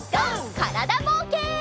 からだぼうけん。